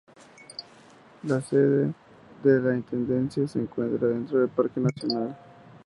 La sede de la intendencia se encuentra dentro del parque nacional.